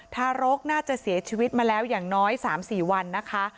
ทารกน่าจะเสียชีวิตมาแล้วอย่างน้อย๓๔วันนะคะ